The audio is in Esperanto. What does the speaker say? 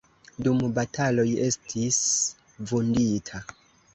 Dum bataloj estis vundita.